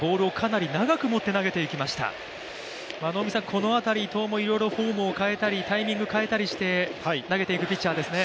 この辺り、伊藤もフォームを変えたり、タイミングを変えたりして投げていくピッチャーですね。